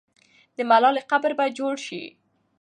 د ملالۍ قبر به جوړ سي.